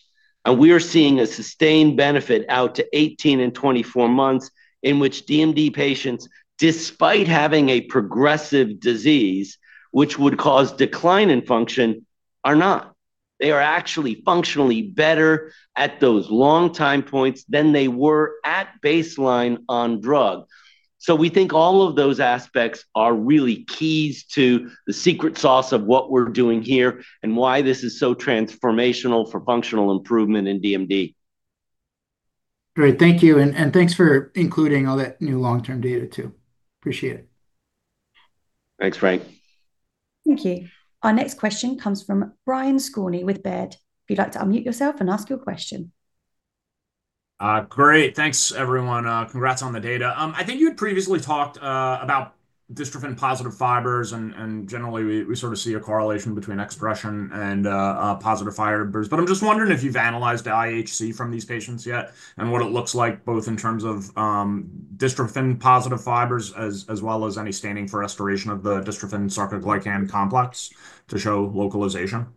We are seeing a sustained benefit out to 18 and 24 months in which DMD patients, despite having a progressive disease which would cause decline in function, are not. They are actually functionally better at those long time points than they were at baseline on drug. So we think all of those aspects are really keys to the secret sauce of what we're doing here and why this is so transformational for functional improvement in DMD. Great. Thank you and thanks for including all that new long-term data too. Appreciate it. Thanks, Frank. Thank you. Our next question comes from Brian Skorney with Baird. If you'd like to unmute yourself and ask your question. Great. Thanks, everyone. Congrats on the data. I think you had previously talked about dystrophin-positive fibers, and generally, we sort of see a correlation between expression and positive fibers. But I'm just wondering if you've analyzed the IHC from these patients yet and what it looks like both in terms of dystrophin-positive fibers as well as any staining for restoration of the dystrophin sarcoglycan complex to show localization. Yeah.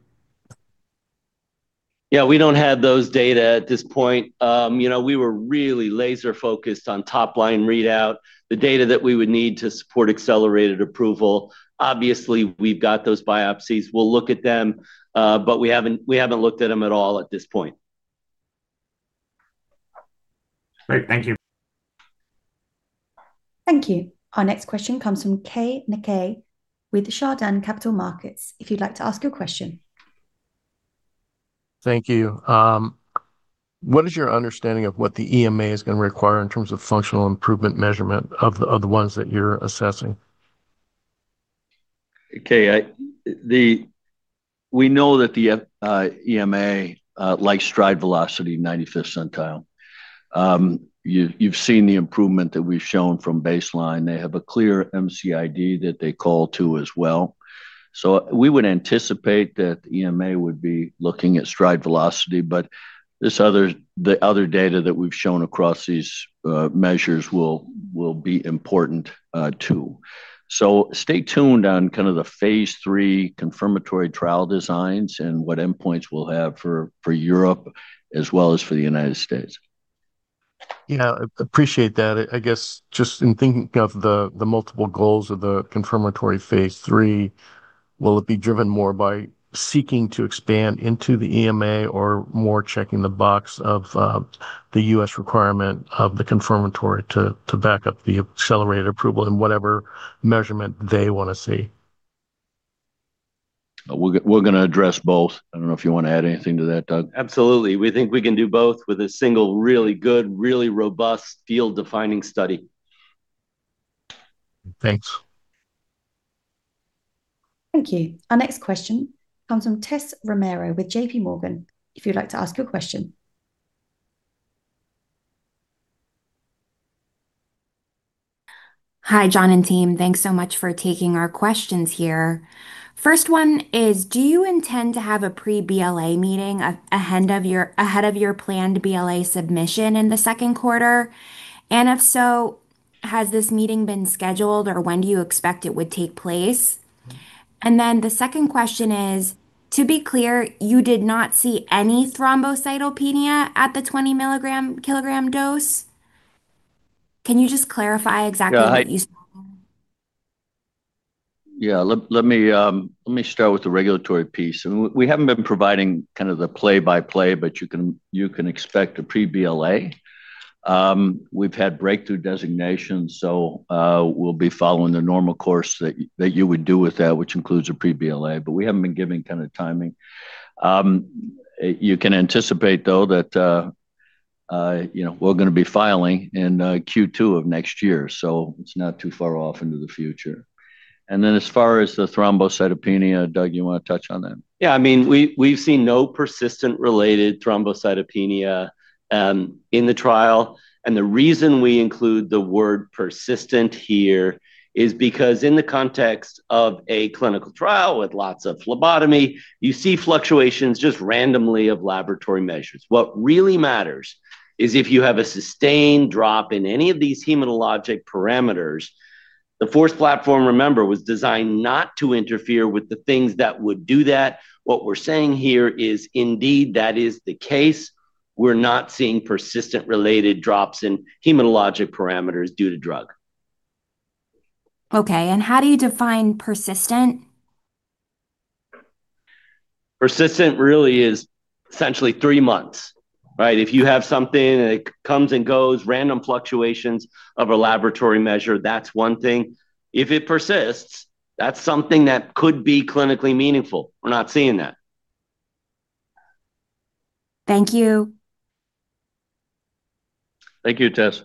We don't have those data at this point. We were really laser-focused on top-line readout, the data that we would need to support accelerated approval. Obviously, we've got those biopsies. We'll look at them, but we haven't looked at them at all at this point. Great. Thank you. Thank you. Our next question comes from Keay Nakae with Chardan Capital Markets. If you'd like to ask your question. Thank you. What is your understanding of what the EMA is going to require in terms of functional improvement measurement of the ones that you're assessing? Okay. We know that the EMA likes stride velocity 95th centile. You've seen the improvement that we've shown from baseline. They have a clear MCID that they call to as well. So we would anticipate that the EMA would be looking at stride velocity, but the other data that we've shown across these measures will be important too. So stay tuned on kind of Phase 3 confirmatory trial designs and what endpoints we'll have for Europe as well as for the United States. Yeah. Appreciate that. I guess just in thinking of the multiple goals of the Phase 3, will it be driven more by seeking to expand into the EMA or more checking the box of the U.S. requirement of the confirmatory to back up the accelerated approval in whatever measurement they want to see? We're going to address both. I don't know if you want to add anything to that, Doug. Absolutely. We think we can do both with a single really good, really robust field-defining study. Thanks. Thank you. Our next question comes from Tessa Romero with J.P. Morgan. If you'd like to ask your question. Hi, John and team. Thanks so much for taking our questions here. First one is, do you intend to have a pre-BLA meeting ahead of your planned BLA submission in the second quarter? And if so, has this meeting been scheduled, or when do you expect it would take place? And then the second question is, to be clear, you did not see any thrombocytopenia at the 20 mg/kg dose. Can you just clarify exactly what you saw? Yeah. Let me start with the regulatory piece. We haven't been providing kind of the play-by-play, but you can expect a pre-BLA. We've had breakthrough designations, so we'll be following the normal course that you would do with that, which includes a pre-BLA, but we haven't been giving kind of timing. You can anticipate, though, that we're going to be filing in Q2 of next year, so it's not too far off into the future. And then as far as the thrombocytopenia, Doug, you want to touch on that? Yeah. I mean, we've seen no persistent, related thrombocytopenia in the trial. And the reason we include the word persistent here is because in the context of a clinical trial with lots of phlebotomy, you see fluctuations just randomly of laboratory measures. What really matters is if you have a sustained drop in any of these hematologic parameters. The FORCE platform, remember, was designed not to interfere with the things that would do that. What we're saying here is, indeed, that is the case. We're not seeing persistent, related drops in hematologic parameters due to drug. Okay. And how do you define persistent? Persistent really is essentially three months, right? If you have something that comes and goes, random fluctuations of a laboratory measure, that's one thing. If it persists, that's something that could be clinically meaningful. We're not seeing that. Thank you. Thank you, Tess.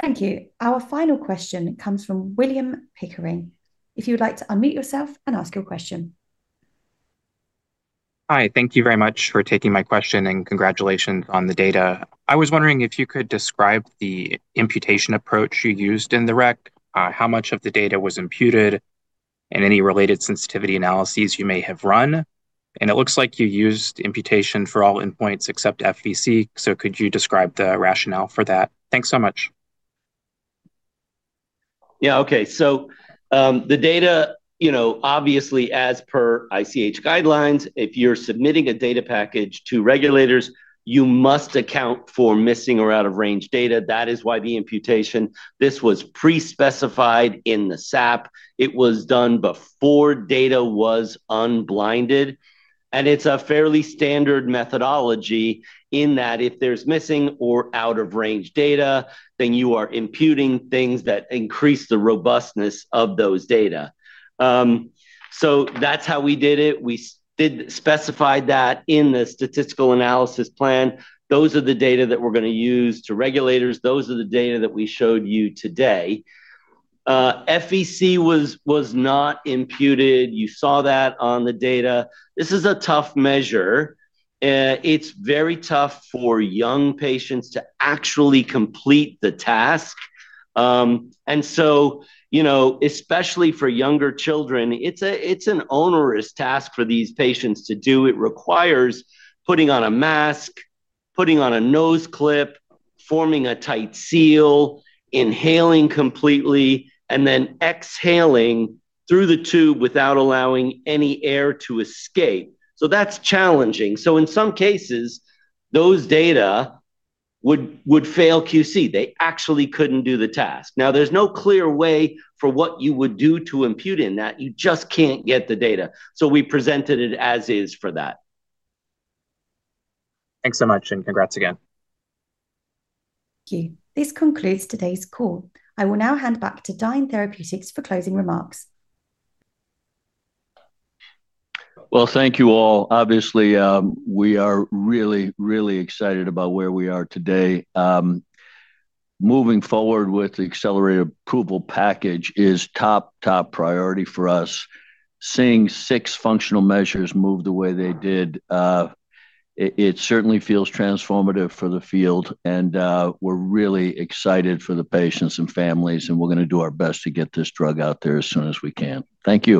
Thank you. Our final question comes from Will Pickering. If you'd like to unmute yourself and ask your question. Hi. Thank you very much for taking my question and congratulations on the data. I was wondering if you could describe the imputation approach you used in the REC, how much of the data was imputed, and any related sensitivity analyses you may have run. And it looks like you used imputation for all endpoints except FVC. So could you describe the rationale for that? Thanks so much. Yeah. Okay. So the data, obviously, as per ICH guidelines, if you're submitting a data package to regulators, you must account for missing or out-of-range data. That is why the imputation. This was pre-specified in the SAP. It was done before data was unblinded. It's a fairly standard methodology in that if there's missing or out-of-range data, then you are imputing things that increase the robustness of those data. That's how we did it. We specified that in the statistical analysis plan. Those are the data that we're going to use to regulators. Those are the data that we showed you today. FVC was not imputed. You saw that on the data. This is a tough measure. It's very tough for young patients to actually complete the task. Especially for younger children, it's an onerous task for these patients to do. It requires putting on a mask, putting on a nose clip, forming a tight seal, inhaling completely, and then exhaling through the tube without allowing any air to escape. That's challenging. In some cases, those data would fail QC. They actually couldn't do the task. Now, there's no clear way for what you would do to impute in that. You just can't get the data. So we presented it as is for that. Thanks so much, and congrats again. Thank you. This concludes today's call. I will now hand back to Dyne Therapeutics for closing remarks. Well, thank you all. Obviously, we are really, really excited about where we are today. Moving forward with the accelerated approval package is top, top priority for us. Seeing six functional measures move the way they did, it certainly feels transformative for the field. And we're really excited for the patients and families, and we're going to do our best to get this drug out there as soon as we can. Thank you.